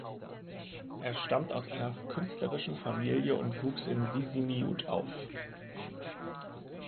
Er stammt aus einer künstlerischen Familie und wuchs in Sisimiut auf.